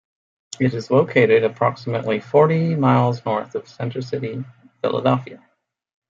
It is located approximately forty miles north of Center City, Philadelphia.